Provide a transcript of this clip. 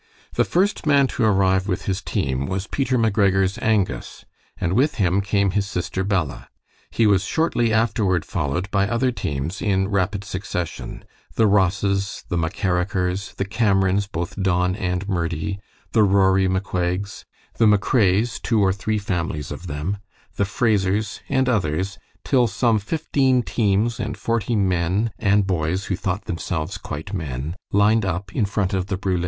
The first man to arrive with his team was Peter McGregor's Angus, and with him came his sister Bella. He was shortly afterward followed by other teams in rapid succession the Rosses, the McKerachers, the Camerons, both Don and Murdie, the Rory McCuaigs, the McRaes, two or three families of them, the Frasers, and others till some fifteen teams and forty men, and boys, who thought themselves quite men, lined up in front of the brule.